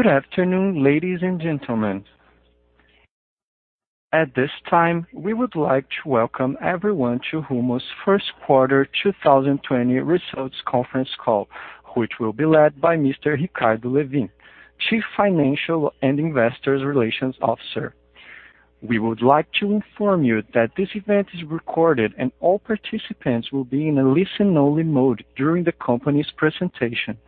Good afternoon, ladies and gentlemen. At this time, we would like to welcome everyone to Rumo's first quarter 2020 results conference call, which will be led by Mr. Ricardo Lewin, Chief Financial and Investor Relations Officer. We would like to inform you that this event is recorded, and all participants will be in a listen-only mode during the company's presentation.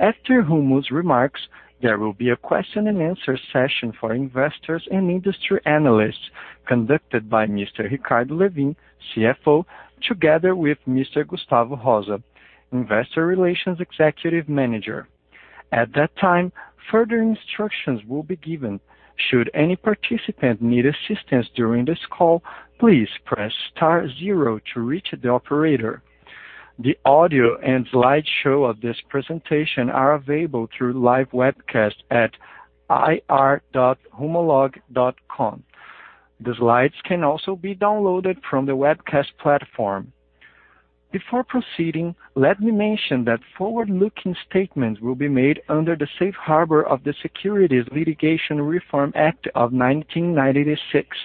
After Rumo's remarks, there will be a question and answer session for investors and industry analysts conducted by Mr. Ricardo Lewin, CFO, together with Mr. Gustavo Marder, Investor Relations Executive Manager. At that time, further instructions will be given. Should any participant need assistance during this call, please press star zero to reach the operator. The audio and slideshow of this presentation are available through live webcast at ri.rumolog.com. The slides can also be downloaded from the webcast platform. Before proceeding, let me mention that forward-looking statements will be made under the safe harbor of the Securities Litigation Reform Act of 1996.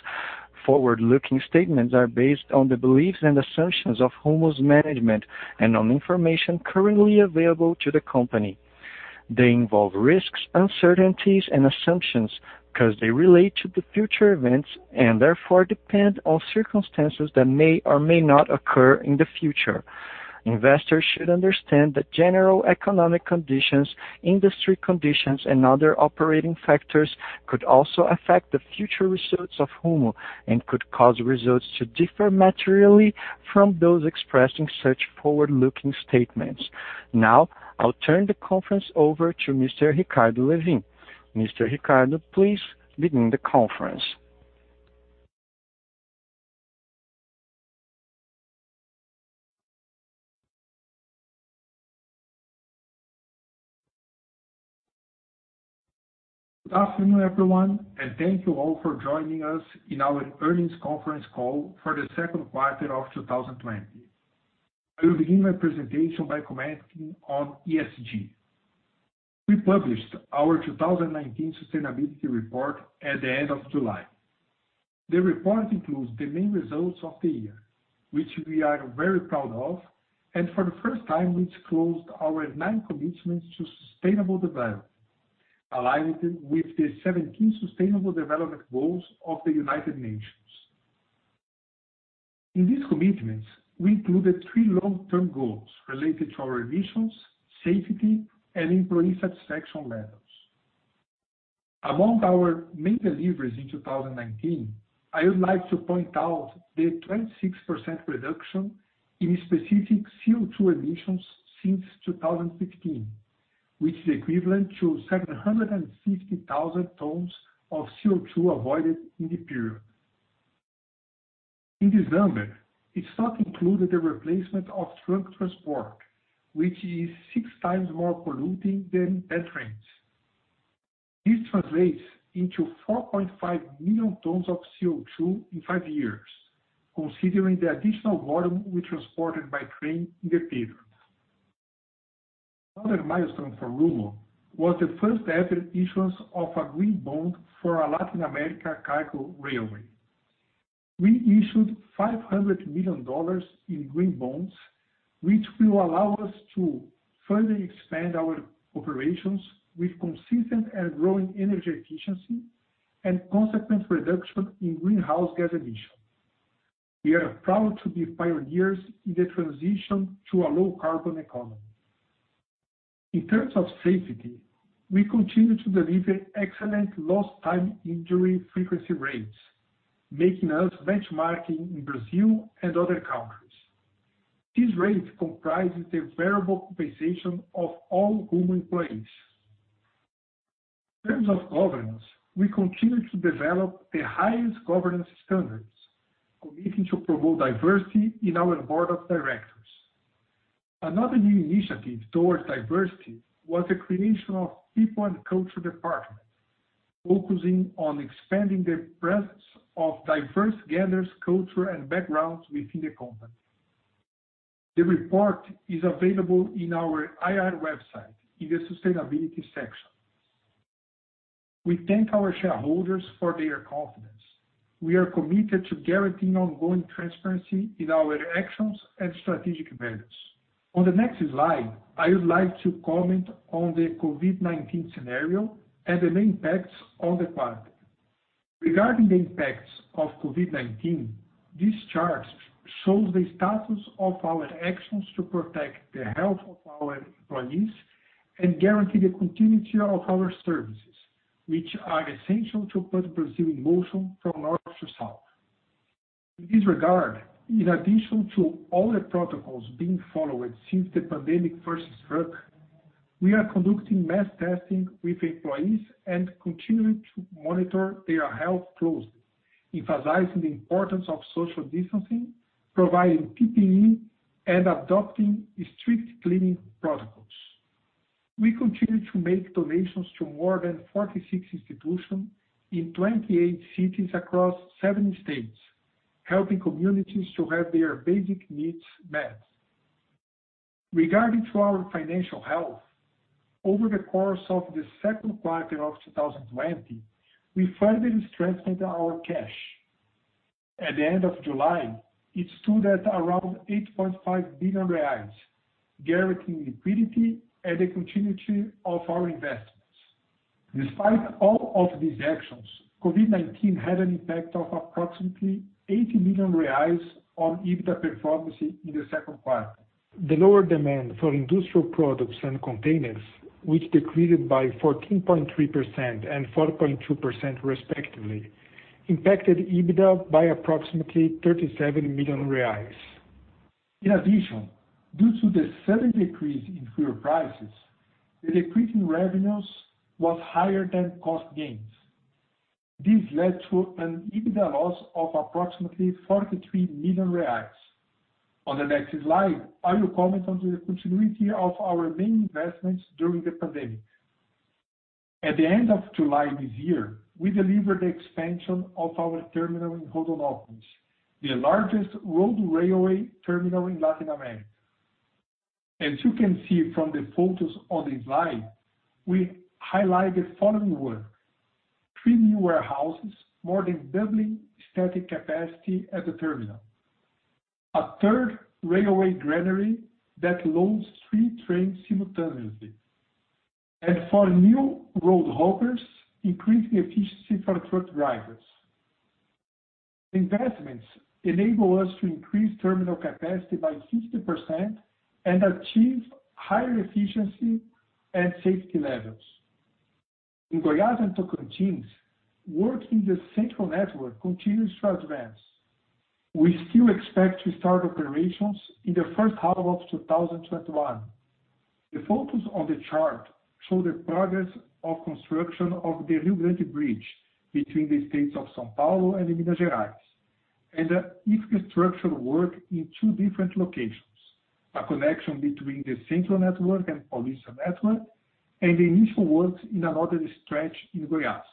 Forward-looking statements are based on the beliefs and assumptions of Rumo's management and on information currently available to the company. They involve risks, uncertainties, and assumptions because they relate to the future events and therefore depend on circumstances that may or may not occur in the future. Investors should understand that general economic conditions, industry conditions, and other operating factors could also affect the future results of Rumo and could cause results to differ materially from those expressing such forward-looking statements. I'll turn the conference over to Mr. Ricardo Lewin. Mr. Ricardo, please begin the conference. Good afternoon, everyone, and thank you all for joining us in our earnings conference call for the second quarter of 2020. I will begin my presentation by commenting on ESG. We published our 2019 sustainability report at the end of July. The report includes the main results of the year, which we are very proud of, and for the first time, we disclosed our nine commitments to sustainable development, aligned with the 17 sustainable development goals of the United Nations. In these commitments, we included three long-term goals related to our emissions, safety, and employee satisfaction levels. Among our main deliveries in 2019, I would like to point out the 26% reduction in specific CO2 emissions since 2015, which is equivalent to 760,000 tons of CO2 avoided in the period. In this number, it's not included the replacement of truck transport, which is six times more polluting than by trains. This translates into 4.5 million tons of CO2 in five years, considering the additional volume we transported by train in the period. Another milestone for Rumo was the first-ever issuance of a green bond for a Latin America cargo railway. We issued $500 million in green bonds, which will allow us to further expand our operations with consistent and growing energy efficiency and consequent reduction in greenhouse gas emissions. We are proud to be pioneers in the transition to a low-carbon economy. In terms of safety, we continue to deliver excellent lost time injury frequency rates, making us benchmarking in Brazil and other countries. This rate comprises the variable compensation of all Rumo employees. In terms of governance, we continue to develop the highest governance standards, committing to promote diversity in our board of directors. Another new initiative towards diversity was the creation of People and Culture department, focusing on expanding the presence of diverse genders, culture, and backgrounds within the company. The report is available on our IR website in the sustainability section. We thank our shareholders for their confidence. We are committed to guaranteeing ongoing transparency in our actions and strategic values. On the next slide, I would like to comment on the COVID-19 scenario and the main impacts on the quarter. Regarding the impacts of COVID-19, this chart shows the status of our actions to protect the health of our employees and guarantee the continuity of our services, which are essential to put Brazil in motion from north to south. In this regard, in addition to all the protocols being followed since the pandemic first struck, we are conducting mass testing with employees and continuing to monitor their health closely, emphasizing the importance of social distancing, providing PPE, and adopting strict cleaning protocols. We continue to make donations to more than 46 institutions in 28 cities across seven states, helping communities to have their basic needs met. Regarding to our financial health, over the course of the second quarter of 2020, we further strengthened our cash. At the end of July, it stood at around 8.5 billion reais, guaranteeing liquidity and the continuity of our investments. Despite all of these actions, COVID-19 had an impact of approximately 80 million reais on EBITDA performance in the second quarter. The lower demand for industrial products and containers, which decreased by 14.3% and 4.2% respectively, impacted EBITDA by approximately 37 million reais. In addition, due to the sudden decrease in fuel prices, the decrease in revenues was higher than cost gains. This led to an EBITDA loss of approximately 43 million reais. On the next slide, I will comment on the continuity of our main investments during the pandemic. At the end of July this year, we delivered the expansion of our terminal in Rondonópolis, the largest road railway terminal in Latin America. As you can see from the photos on the slide, we highlight the following work. Three new warehouses, more than doubling static capacity at the terminal. A third railway granary that loads three trains simultaneously, and four new road hoppers increase the efficiency for truck drivers. Investments enable us to increase terminal capacity by 50% and achieve higher efficiency and safety levels. In Goiás and Tocantins, work in the Central Network continues to advance. We still expect to start operations in the first half of 2021. The photos on the chart show the progress of construction of the Rio Grande Bridge between the states of São Paulo and Minas Gerais, and the infrastructure work in two different locations, a connection between the Central Network and Paulista Network, and the initial works in another stretch in Goiás.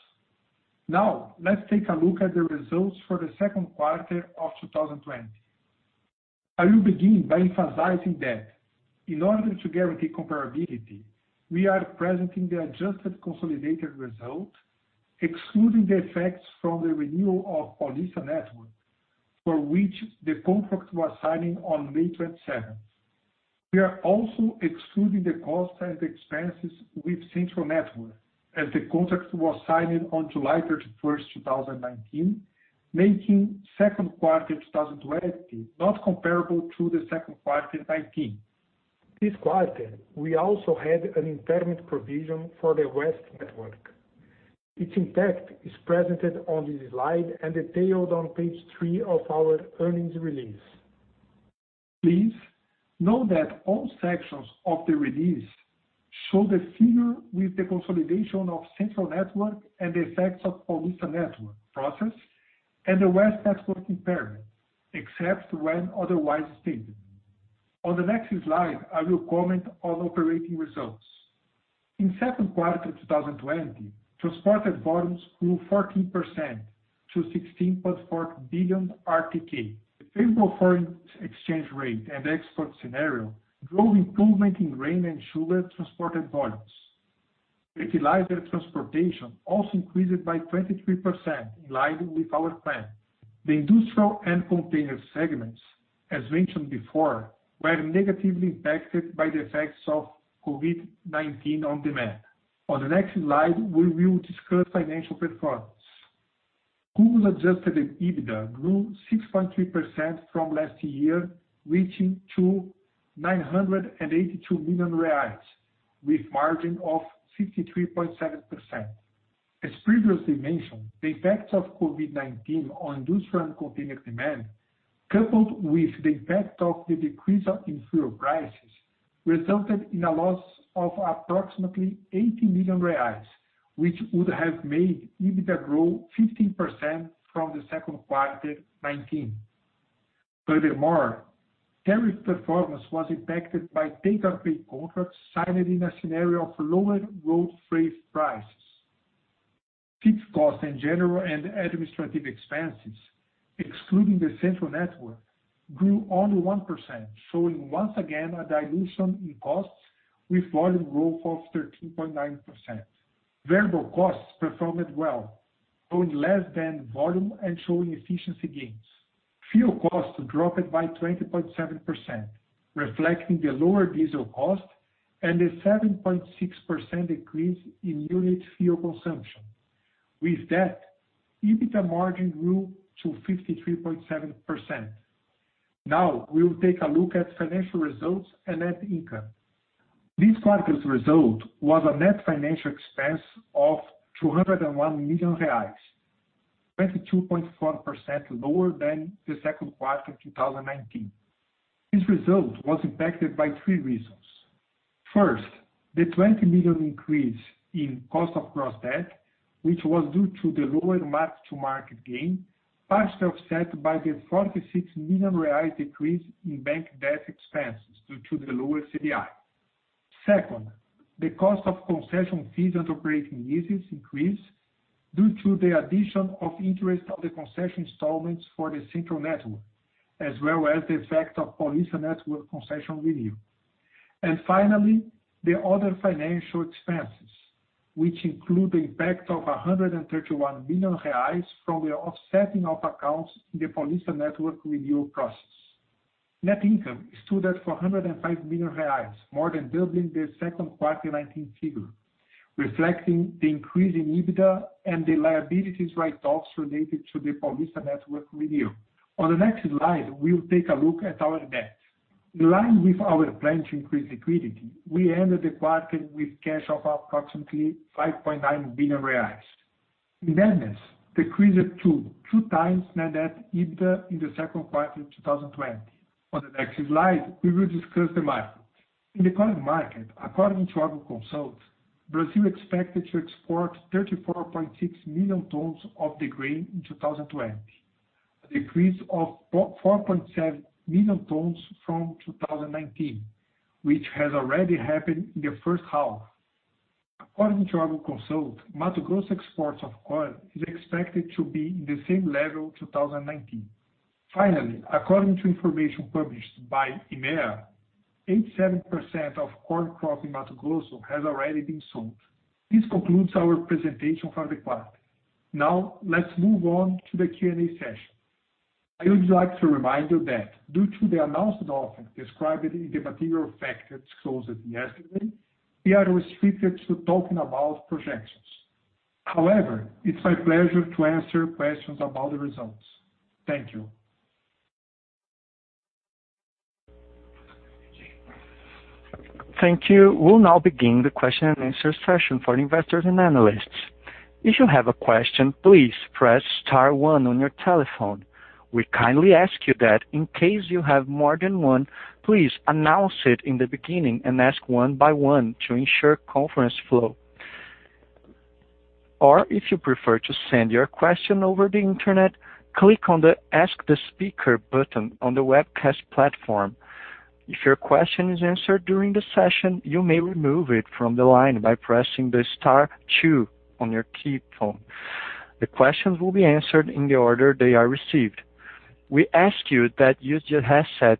Let's take a look at the results for the second quarter of 2020. I will begin by emphasizing that in order to guarantee comparability, we are presenting the adjusted consolidated result, excluding the effects from the renewal of Paulista Network, for which the contract was signed on May 27th. We are also excluding the costs and expenses with Central Network, as the contract was signed on July 31st, 2019, making second quarter 2020 not comparable to the second quarter 2019. This quarter, we also had an impairment provision for the West Network. Its impact is presented on this slide and detailed on page three of our earnings release. Please note that all sections of the release show the figure with the consolidation of Central Network and the effects of Paulista Network process and the West Network impairment, except when otherwise stated. On the next slide, I will comment on operating results. In second quarter 2020, transported volumes grew 14% to 16.4 billion RTK. The favorable foreign exchange rate and export scenario drove improvement in grain and sugar transported volumes. Fertilizer transportation also increased by 23%, in line with our plan. The industrial and container segments, as mentioned before, were negatively impacted by the effects of COVID-19 on demand. On the next slide, we will discuss financial performance. Rumo's adjusted EBITDA grew 6.3% from last year, reaching 982 million reais, with margin of 53.7%. As previously mentioned, the impact of COVID-19 on industrial and container demand, coupled with the impact of the decrease in fuel prices, resulted in a loss of approximately 80 million reais, which would have made EBITDA grow 15% from the second quarter 2019. Tariff performance was impacted by take-or-pay contracts signed in a scenario of lower road freight prices. Fixed costs and general and administrative expenses, excluding the Central Network, grew only 1%, showing once again a dilution in costs with volume growth of 13.9%. Variable costs performed well, growing less than volume and showing efficiency gains. Fuel costs dropped by 20.7%, reflecting the lower diesel cost and a 7.6% decrease in unit fuel consumption. EBITDA margin grew to 53.7%. Now, we will take a look at financial results and net income. This quarter's result was a net financial expense of 201 million reais, 22.4% lower than the second quarter 2019. This result was impacted by three reasons. First, the 20 million increase in cost of gross debt, which was due to the lower mark-to-market gain, partially offset by the 46 million reais decrease in bank debt expenses due to the lower CDI. Second, the cost of concession fees and operating leases increased due to the addition of interest on the concession installments for the Central Network, as well as the effect of Paulista Network concession renewal. Finally, the other financial expenses, which include the impact of 131 million reais from the offsetting of accounts in the Paulista Network renewal process. Net income stood at 405 million reais, more than doubling the second quarter 2019 figure, reflecting the increase in EBITDA and the liabilities write-offs related to the Paulista Network renewal. On the next slide, we will take a look at our debt. In line with our plan to increase liquidity, we ended the quarter with cash of approximately 5.9 billion reais. Indebtedness decreased to 2x net debt EBITDA in the second quarter of 2020. On the next slide, we will discuss the market. In the current market, according to Agroconsult, Brazil expected to export 34.6 million tons of the grain in 2020, a decrease of 4.7 million tons from 2019, which has already happened in the first half. According to Agroconsult, Mato Grosso exports of corn is expected to be in the same level as 2019. Finally, according to information published by IMEA, 87% of corn crop in Mato Grosso has already been sold. This concludes our presentation for the quarter. Let's move on to the Q&A session. I would like to remind you that due to the announced offer described in the material facts disclosed yesterday, we are restricted to talking about projections. It's my pleasure to answer questions about the results. Thank you. Thank you. We'll now begin the question and answer session for investors and analysts. We kindly ask you that in case you have more than one, please announce it in the beginning and ask one by one to ensure conference flow. The questions will be answered in the order they are received. We ask you that you use your headset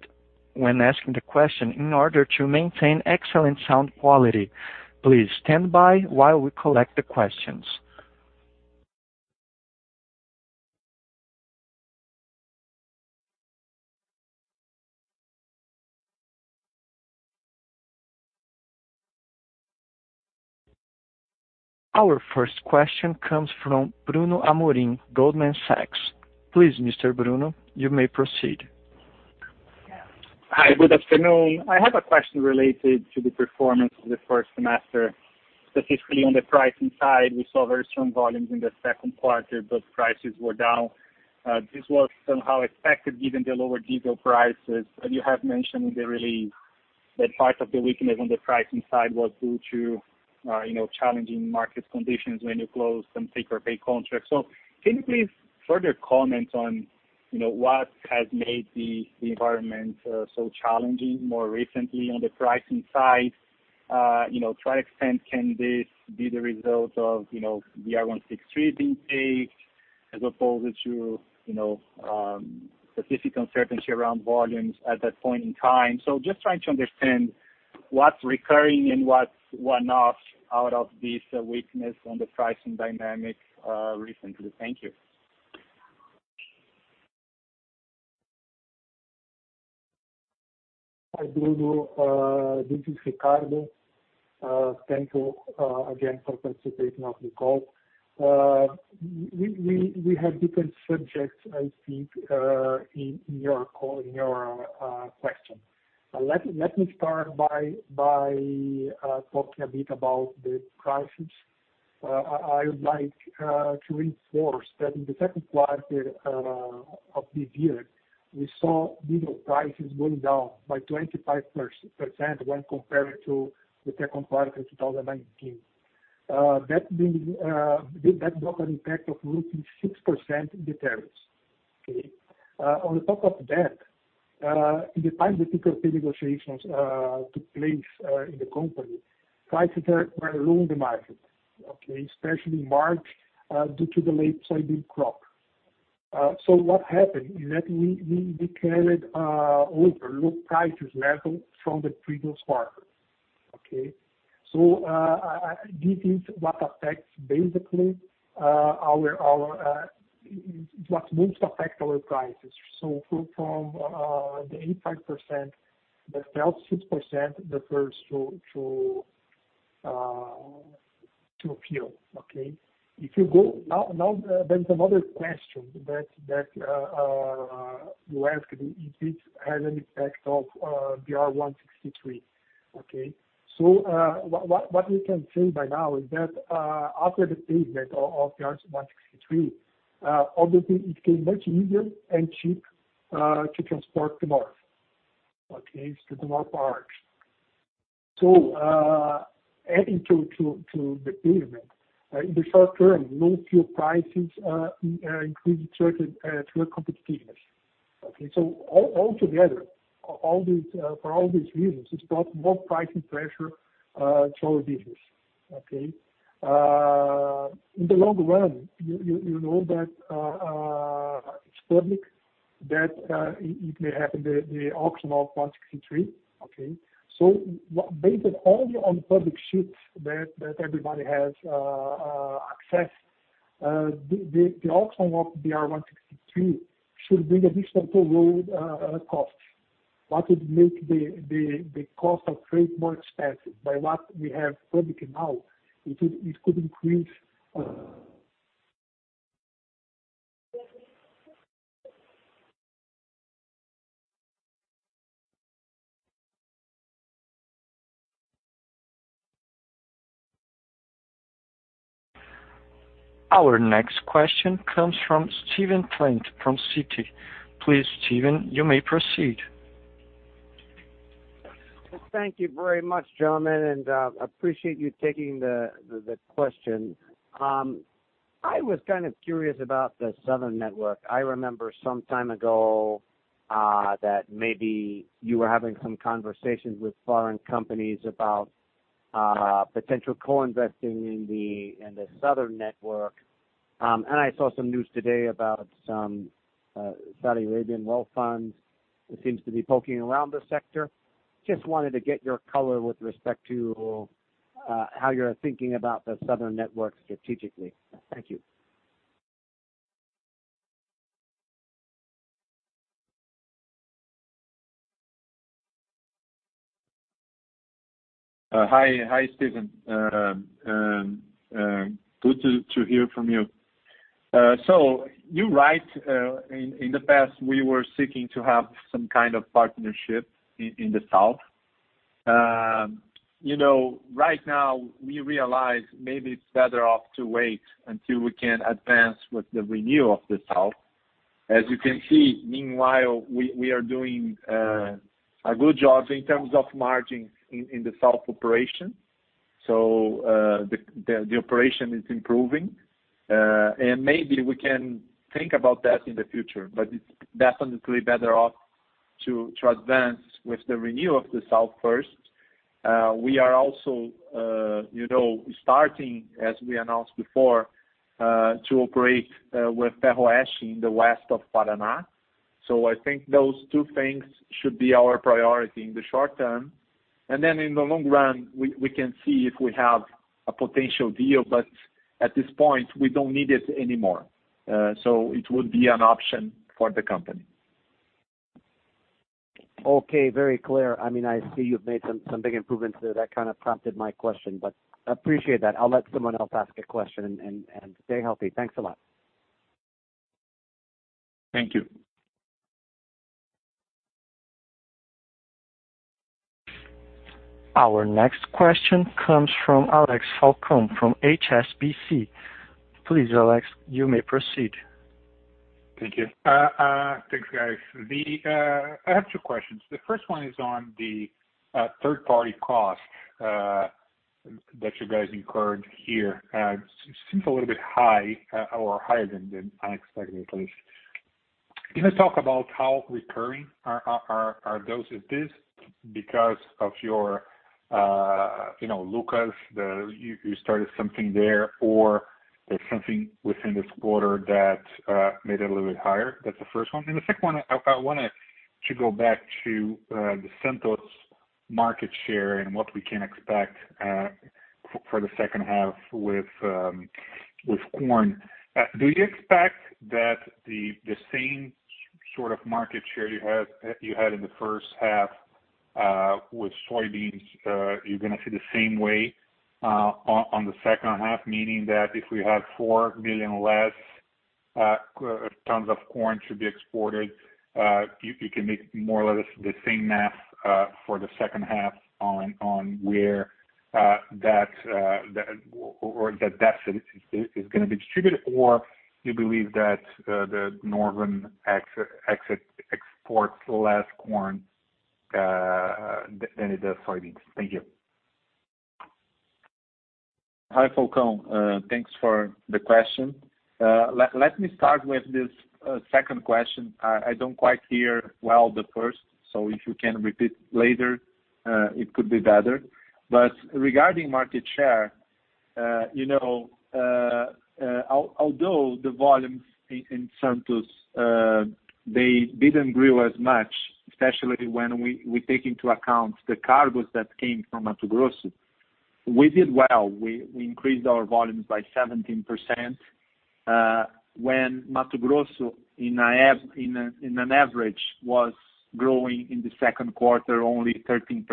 when asking the question, in order to maintain excellent sound quality. Our first question comes from Bruno Amorim, Goldman Sachs. Please, Mr. Bruno, you may proceed. Hi, good afternoon. I have a question related to the performance of the first semester. Specifically on the pricing side, we saw very strong volumes in the second quarter, but prices were down. This was somehow expected given the lower diesel prices, and you have mentioned in the release that part of the weakness on the pricing side was due to challenging market conditions when you closed some take-or-pay contracts. Can you please further comment on what has made the environment so challenging more recently on the pricing side? To what extent can this be the result of BR-163 being paved, as opposed to specific uncertainty around volumes at that point in time? Just trying to understand what's recurring and what's one-off out of this weakness on the pricing dynamics recently. Thank you. Hi, Bruno. This is Ricardo. Thank you again for participating on the call. We have different subjects I see in your question. Let me start by talking a bit about the prices. I would like to reinforce that in the second quarter of this year, we saw diesel prices going down by 25% when compared to the second quarter of 2019. That had an impact of roughly 6% in the tariffs. Okay. On top of that, in the time the take-or-pay negotiations took place in the company, prices were low in the market, okay. Especially in March, due to the late soybean crop. What happened is that we carried over low prices level from the previous quarter. Okay. This is what moves affect our prices. From the 85%, that fell 6% refers to fuel. Okay. Now, there's another question that you asked me, if this has an effect of BR-163. Okay? What we can say by now is that after the pavement of BR-163, obviously it became much easier and cheap to transport to north. Okay? To the north part. Adding to the pavement. In the short term, low fuel prices increased truck competitiveness. Altogether, for all these reasons, it's brought more pricing pressure to our business. In the long run, you know that, it's public that it may happen, the auction of BR-163. Based only on public sheets that everybody has access, the auction of BR-163 should bring additional road costs that would make the cost of trade more expensive. By what we have public now, it could increase. Our next question comes from Stephen Trent from Citi. Please, Stephen, you may proceed. Well, thank you very much, gentlemen, and I appreciate you taking the question. I was kind of curious about the southern network. I remember some time ago that maybe you were having some conversations with foreign companies about potential co-investing in the southern network. I saw some news today about some Saudi Arabian wealth funds. It seems to be poking around the sector. Just wanted to get your color with respect to how you're thinking about the southern network strategically. Thank you. Hi, Stephen. Good to hear from you. You're right. In the past, we were seeking to have some kind of partnership in the south. Right now, we realize maybe it's better off to wait until we can advance with the renew of the south. As you can see, meanwhile, we are doing a good job in terms of margins in the south operation, so the operation is improving. Maybe we can think about that in the future, but it's definitely better off to advance with the renew of the south first. We are also starting, as we announced before, to operate with Ferroeste in the west of Paraná. I think those two things should be our priority in the short term. In the long run, we can see if we have a potential deal, but at this point, we don't need it anymore. It would be an option for the company. Okay. Very clear. I see you've made some big improvements there. That kind of prompted my question, but appreciate that. I'll let someone else ask a question. Stay healthy. Thanks a lot. Thank you. Our next question comes from Alex Falcao from HSBC. Please, Alex, you may proceed. Thank you. Thanks, guys. I have two questions. The first one is on the third-party cost that you guys incurred here. It seems a little bit high or higher than I expected, at least. Can you talk about how recurring are those at this, because of your-- Lucas, you started something there, or there's something within this quarter that made it a little bit higher? That's the first one. The second one, I wanted to go back to the Santos market share and what we can expect for the second half with corn. Do you expect that the same sort of market share you had in the first half with soybeans, you're gonna see the same way on the second half, meaning that if we have 4 million less tons of corn to be exported, you can make more or less the same math for the second half on where that deficit is gonna be distributed, or you believe that the northern exports less corn than it does soybeans? Thank you. Hi, Falcao. Thanks for the question. Let me start with this second question. I don't quite hear well the first, so if you can repeat later, it could be better. Regarding market share, although the volumes in Santos, they didn't grow as much, especially when we take into account the cargoes that came from Mato Grosso. We did well. We increased our volumes by 17%, when Mato Grosso, in an average, was growing in the second quarter only 13%.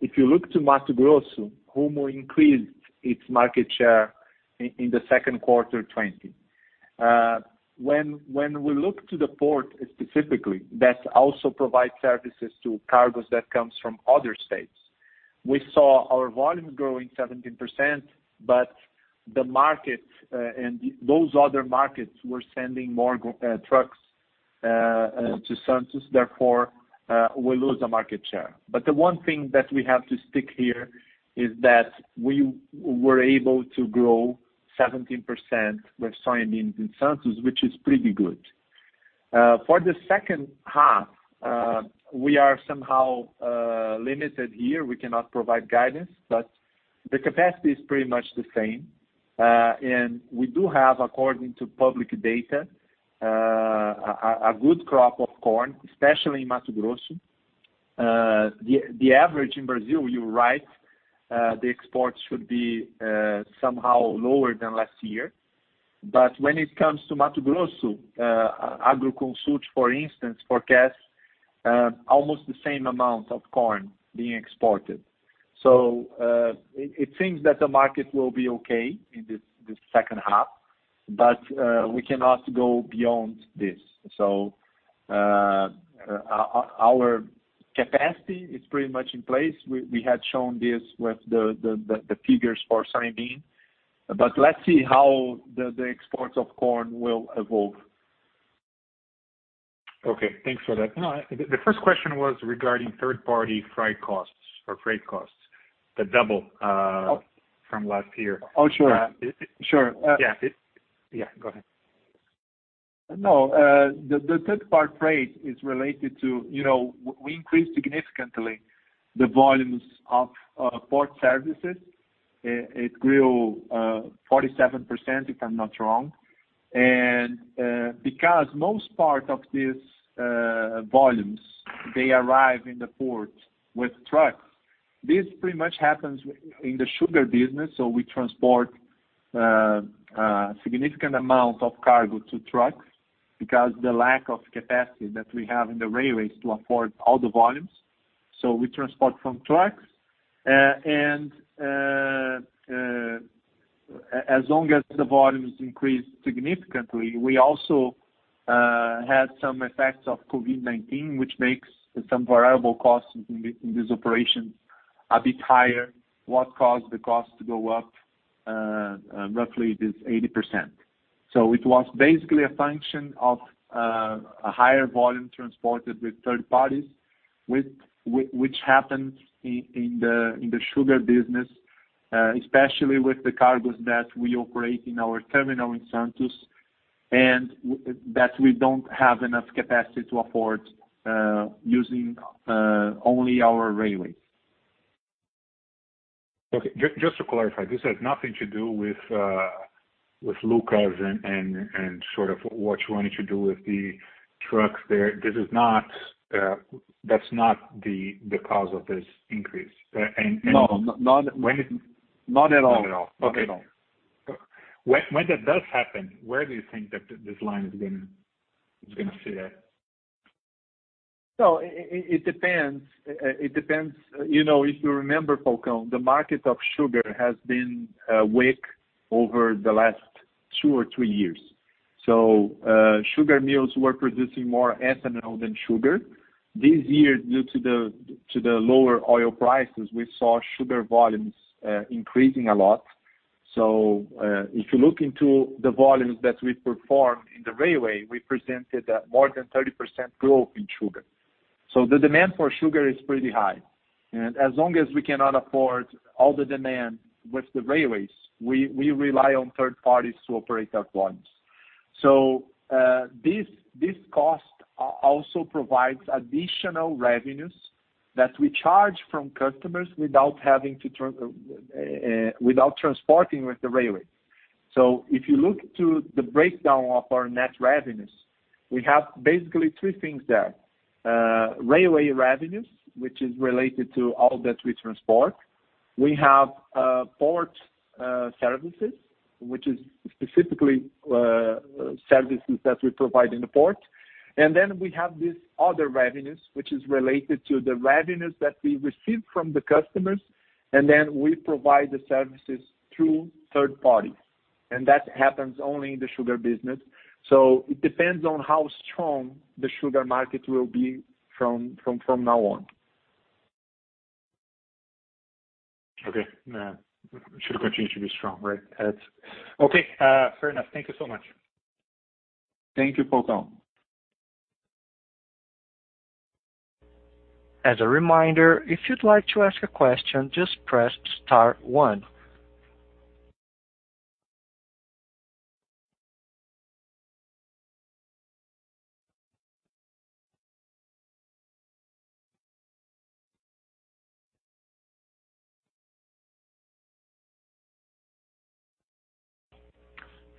If you look to Mato Grosso, Rumo increased its market share in the second quarter of 2020. When we look to the port specifically, that also provides services to cargoes that comes from other states. We saw our volume growing 17%, but the market and those other markets were sending more trucks to Santos, therefore, we lose the market share. The one thing that we have to stick here is that we were able to grow 17% with soybeans in Santos, which is pretty good. For the second half, we are somehow limited here. We cannot provide guidance, but the capacity is pretty much the same. We do have, according to public data, a good crop of corn, especially in Mato Grosso. The average in Brazil, you're right, the exports should be somehow lower than last year. When it comes to Mato Grosso, Agroconsult, for instance, forecasts almost the same amount of corn being exported. It seems that the market will be okay in this second half. We cannot go beyond this. Our capacity is pretty much in place. We had shown this with the figures for soybean. Let's see how the exports of corn will evolve. Okay. Thanks for that. No, the first question was regarding third-party freight costs that double from last year. Oh, sure. Yeah. Go ahead. No. The third-party freight is related to, we increased significantly the volumes of port services. It grew 47%, if I'm not wrong. Because most part of these volumes, they arrive in the port with trucks. This pretty much happens in the sugar business, we transport a significant amount of cargo to trucks because the lack of capacity that we have in the railways to afford all the volumes. We transport from trucks. As long as the volumes increase significantly, we also had some effects of COVID-19, which makes some variable costs in these operations a bit higher, what caused the cost to go up roughly this 80%. It was basically a function of a higher volume transported with third parties, which happens in the sugar business, especially with the cargoes that we operate in our terminal in Santos, and that we don't have enough capacity to afford using only our railway. Okay. Just to clarify, this has nothing to do with Lucas and sort of what you wanted to do with the trucks there. That's not the cause of this increase. No. Not at all. Not at all. Okay. Not at all. When that does happen, where do you think that this line is going to sit at? It depends. If you remember, Falcao, the market of sugar has been weak over the last two or three years. Sugar mills were producing more ethanol than sugar. This year, due to the lower oil prices, we saw sugar volumes increasing a lot. If you look into the volumes that we performed in the railway, we presented more than 30% growth in sugar. The demand for sugar is pretty high. As long as we cannot afford all the demand with the railways, we rely on third parties to operate that volumes. This cost also provides additional revenues that we charge from customers without transporting with the railway. If you look to the breakdown of our net revenues, we have basically three things there. Railway revenues, which is related to all that we transport. We have port services, which is specifically services that we provide in the port. We have these other revenues, which is related to the revenues that we receive from the customers, and then we provide the services through third parties. That happens only in the sugar business. It depends on how strong the sugar market will be from now on. Okay. Sugar continues to be strong, right? Okay. Fair enough. Thank you so much. Thank you, Falcao. As a reminder, if you'd like to ask a question, just press star one.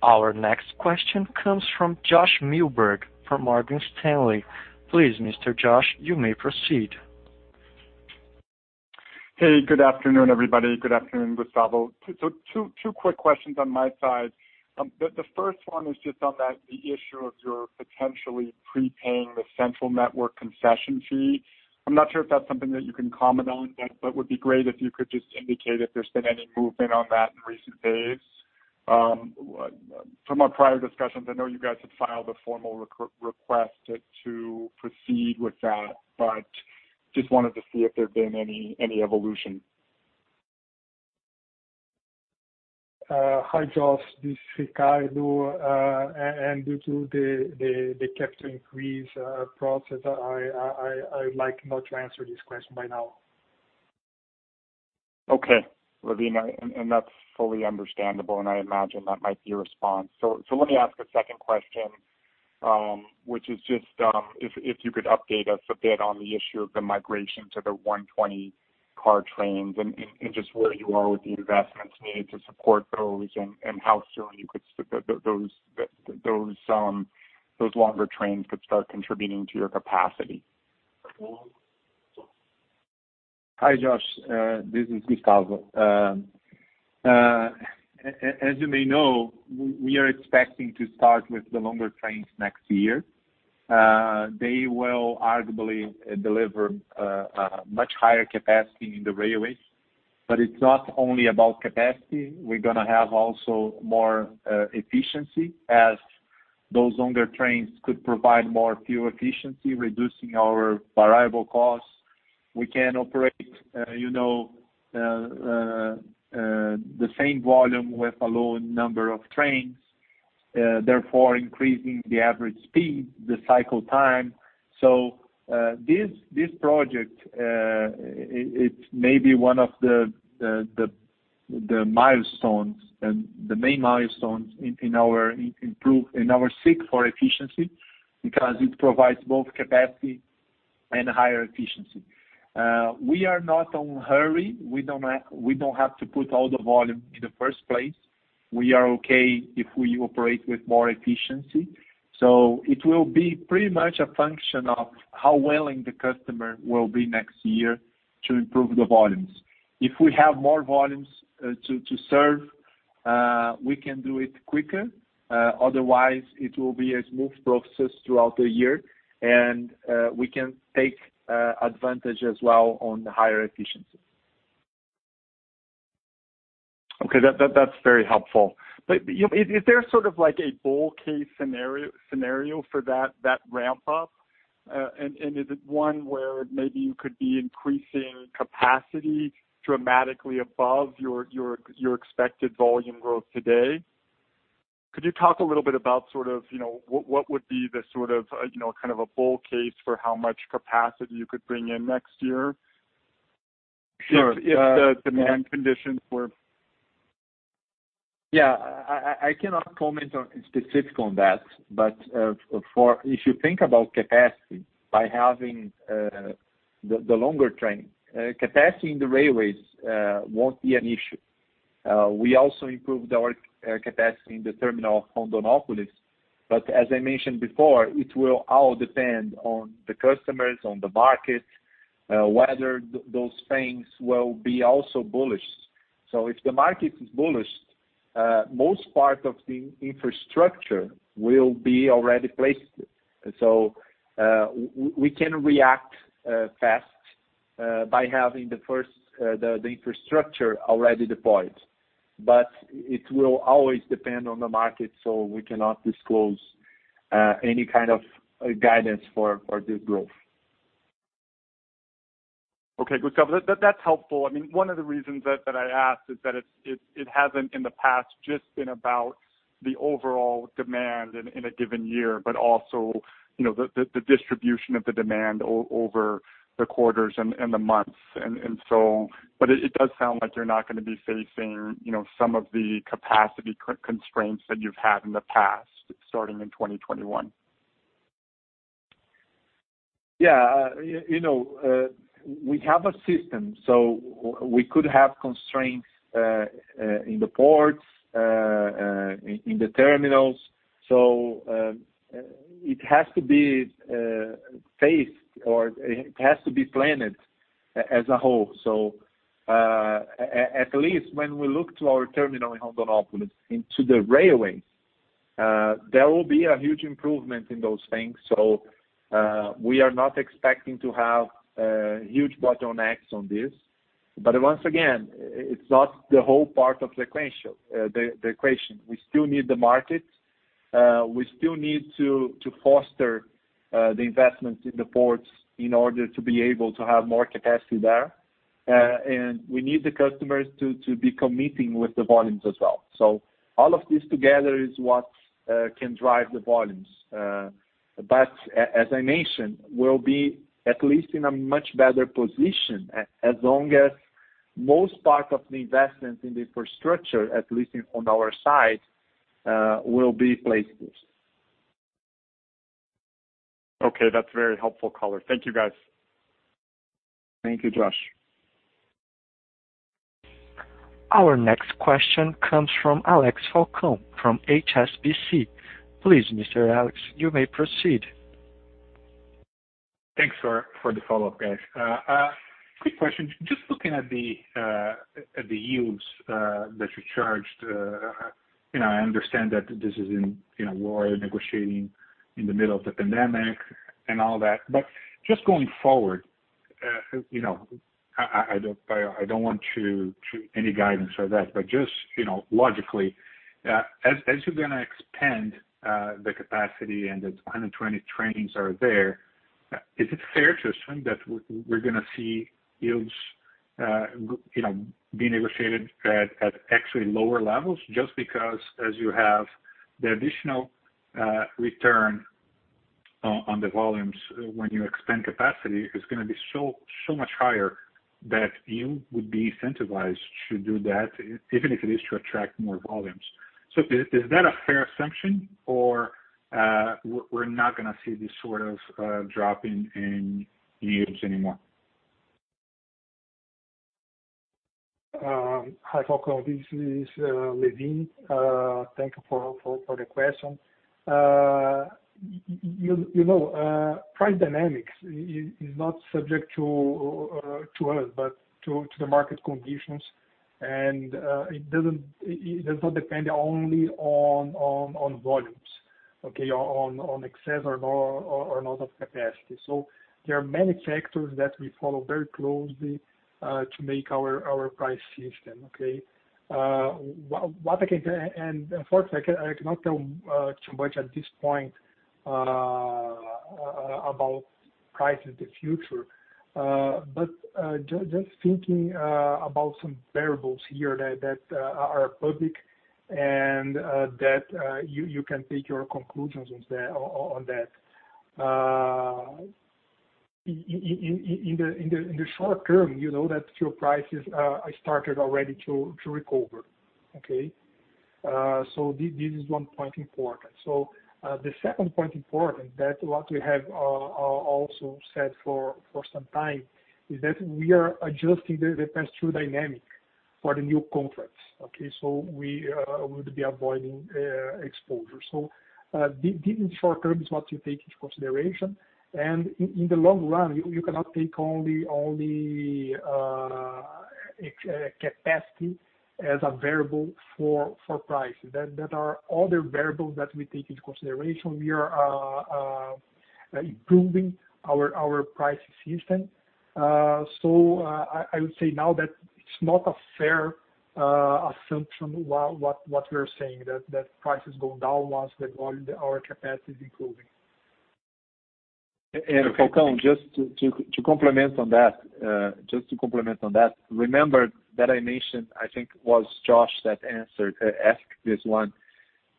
Our next question comes from Josh Milberg from Morgan Stanley. Please, Mr. Josh, you may proceed. Hey, good afternoon, everybody. Good afternoon, Gustavo. Two quick questions on my side. The first one is just on that the issue of your potentially prepaying the Central Network concession fee. I'm not sure if that's something that you can comment on, but would be great if you could just indicate if there's been any movement on that in recent days. From our prior discussions, I know you guys had filed a formal request to proceed with that, but just wanted to see if there had been any evolution. Hi, Josh. This is Ricardo. Due to the cap increase process, I would like not to answer this question by now. Okay, Lewin, that's fully understandable, and I imagine that might be your response. Let me ask a second question, which is just if you could update us a bit on the issue of the migration to the 120-car trains and just where you are with the investments needed to support those and how soon those longer trains could start contributing to your capacity. Hi, Josh. This is Gustavo. As you may know, we are expecting to start with the longer trains next year. They will arguably deliver a much higher capacity in the railways. It's not only about capacity. We're going to have also more efficiency as those longer trains could provide more fuel efficiency, reducing our variable costs. We can operate the same volume with a low number of trains, therefore increasing the average speed, the cycle time. This project, it's maybe one of the main milestones in our seek for efficiency because it provides both capacity and higher efficiency. We are not on hurry. We don't have to put all the volume in the first place. We are okay if we operate with more efficiency. It will be pretty much a function of how willing the customer will be next year to improve the volumes. If we have more volumes to serve, we can do it quicker. Otherwise, it will be a smooth process throughout the year, and we can take advantage as well on the higher efficiency. Okay. That's very helpful. Is there sort of like a bull case scenario for that ramp-up? Is it one where maybe you could be increasing capacity dramatically above your expected volume growth today? Could you talk a little bit about what would be the sort of kind of a bull case for how much capacity you could bring in next year? Sure. if the demand conditions were. Yeah, I cannot comment specific on that. If you think about capacity, by having the longer train, capacity in the railways won't be an issue. We also improved our capacity in the terminal on Rondonópolis. As I mentioned before, it will all depend on the customers, on the market, whether those things will be also bullish. If the market is bullish, most part of the infrastructure will be already placed. We can react fast by having the infrastructure already deployed. It will always depend on the market, we cannot disclose any kind of guidance for this growth. Okay, Gustavo. That's helpful. One of the reasons that I asked is that it hasn't in the past just been about the overall demand in a given year, but also the distribution of the demand over the quarters and the months. It does sound like you're not going to be facing some of the capacity constraints that you've had in the past starting in 2021. Yeah. We have a system, we could have constraints in the ports, in the terminals. It has to be phased, or it has to be planned as a whole. At least when we look to our terminal in Rondonópolis into the railway, there will be a huge improvement in those things. We are not expecting to have huge bottlenecks on this. Once again, it's not the whole part of the equation. We still need the market. We still need to foster the investment in the ports in order to be able to have more capacity there. We need the customers to be committing with the volumes as well. All of this together is what can drive the volumes. As I mentioned, we'll be at least in a much better position as long as most part of the investment in the infrastructure, at least on our side, will be placed. Okay. That's very helpful color. Thank you guys. Thank you, Josh. Our next question comes from Alex Falcao from HSBC. Please, Mr. Alex, you may proceed. Thanks for the follow-up, guys. Quick question. Just looking at the yields that you charged. I understand that we're negotiating in the middle of the pandemic and all that. Just going forward, I don't want any guidance for that. Just logically, as you're going to expand the capacity and the 120 trains are there. Is it fair to assume that we're going to see yields being negotiated at actually lower levels just because as you have the additional return on the volumes when you expand capacity, it's going to be so much higher that you would be incentivized to do that, even if it is to attract more volumes. Is that a fair assumption, or we're not going to see this sort of drop in yields anymore? Hi, Falcao. This is Lewin. Thank you for the question. Price dynamics is not subject to us, but to the market conditions. It does not depend only on volumes. Okay. On excess or not of capacity. There are many factors that we follow very closely to make our price system, okay? What I can say, and unfortunately, I cannot tell too much at this point about prices in the future. Just thinking about some variables here that are public and that you can take your conclusions on that. In the short term, you know that fuel prices are started already to recover, okay? This is one point important. The second point important that what we have also said for some time is that we are adjusting the pass-through dynamic for the new contracts, okay? We would be avoiding exposure. This in short-term is what you take into consideration, and in the long run, you cannot take only capacity as a variable for price. There are other variables that we take into consideration. We are improving our pricing system. I would say now that it's not a fair assumption what we're saying, that price is going down once the volume, our capacity is improving. Falcao, just to complement on that. Remember that I mentioned, I think it was Josh that asked this one.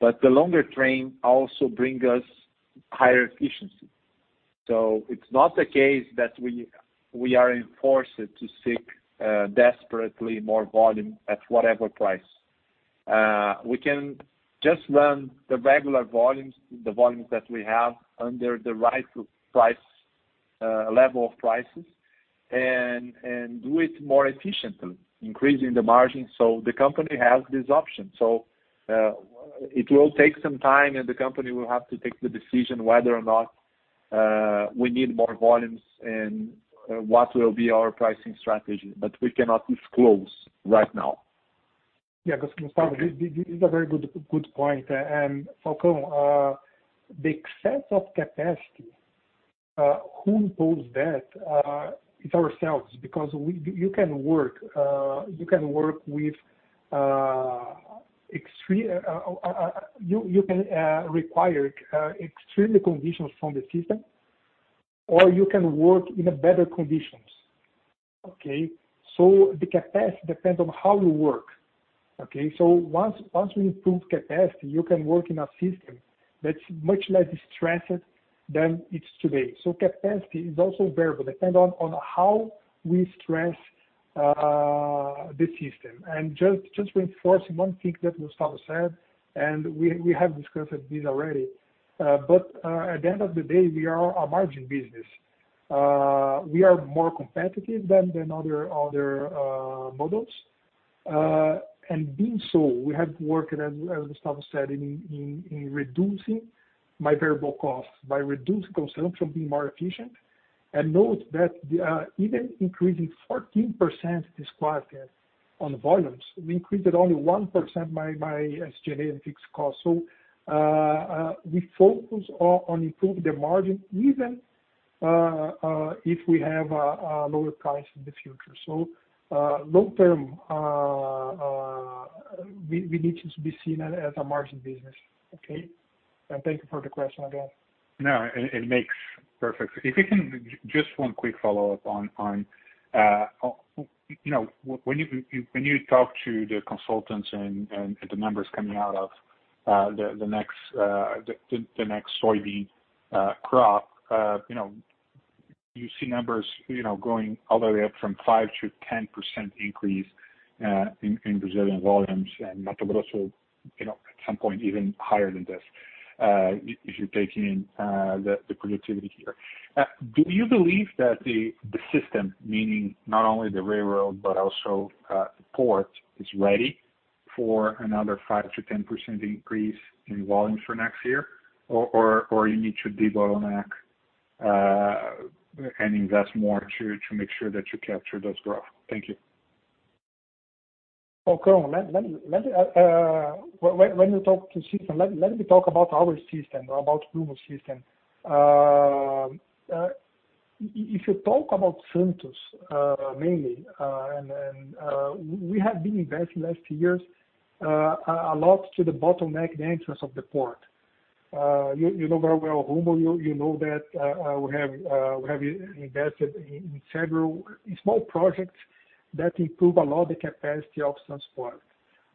The longer train also brings us higher efficiency. It's not the case that we are enforced to seek desperately more volume at whatever price. We can just run the regular volumes, the volumes that we have under the right level of prices and do it more efficiently, increasing the margin. The company has this option. It will take some time, and the company will have to take the decision whether or not we need more volumes and what will be our pricing strategy. We cannot disclose right now. Gustavo, this is a very good point. Falcao, the excess of capacity, who impose that? It's ourselves. You can require extreme conditions from the system, or you can work in better conditions. Okay. The capacity depends on how you work, okay. Once we improve capacity, you can work in a system that's much less stressed than it's today. Capacity is also variable, depends on how we stress the system. Just reinforcing one thing that Gustavo said, and we have discussed this already. At the end of the day, we are a margin business. We are more competitive than other models. Being so, we have worked, as Gustavo said, in reducing my variable costs, by reducing consumption, being more efficient. Note that even increasing 14% this last year on volumes, we increased only 1% my SG&A and fixed cost. We focus on improving the margin, even if we have lower prices in the future. Long term, we need to be seen as a margin business. Okay. Thank you for the question, again. No, it makes perfect sense. If you can, just one quick follow-up on when you talk to the consultants and the numbers coming out of the next soybean crop, you see numbers going all the way up from 5%-10% increase in Brazilian volumes and Mato Grosso, at some point, even higher than this. If you're taking in the productivity here, do you believe that the system, meaning not only the railroad but also port, is ready for another 5%-10% increase in volume for next year, or do you need to debottleneck and invest more to make sure that you capture those growth? Thank you. Falcao, let me talk about our system, about Rumo's system. If you talk about Santos, mainly, we have been investing last years, a lot to debottleneck, the entrance of the port. You know very well Rumo. You know that we have invested in several small projects that improve a lot the capacity of Santos port.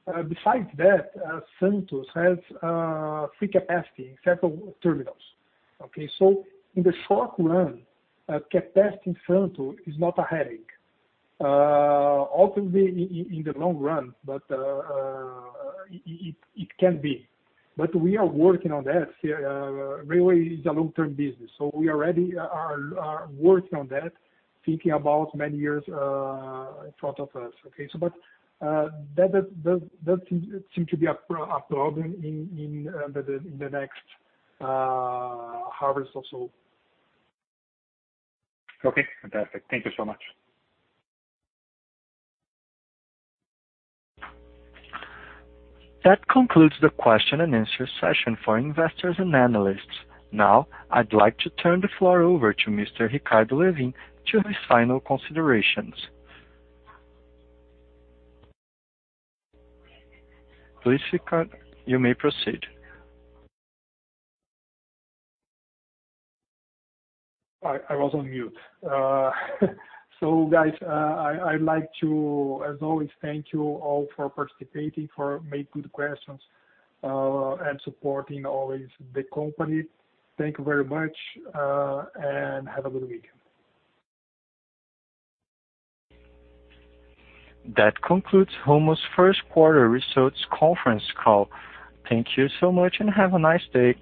Besides that, Santos has free capacity in several terminals. Okay? In the short run, capacity in Santos is not a headache. Obviously, in the long run, it can be. We are working on that. Railway is a long-term business, we already are working on that, thinking about many years in front of us. Okay? That doesn't seem to be a problem in the next harvest also. Okay. Fantastic. Thank you so much. That concludes the question and answer session for investors and analysts. Now I'd like to turn the floor over to Mr. Ricardo Lewin to his final considerations. Please, Ricardo, you may proceed. I was on mute. Guys, I'd like to, as always, thank you all for participating, for making good questions, and supporting always the company. Thank you very much, and have a good weekend. That concludes Rumo's first quarter results conference call. Thank you so much and have a nice day.